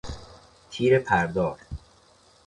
تیر پردار